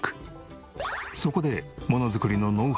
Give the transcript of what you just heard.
そこで。